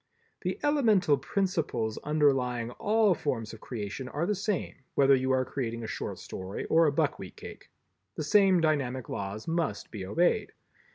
The elemental principles underlying all forms of creation are the same, whether you are creating a short story or a buckwheat cake. The same dynamic laws must be obeyed.